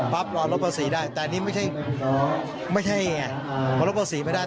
ปั๊บมอบรับภาษีได้แต่นี่ไม่ใช่มอบรับภาษีไม่ได้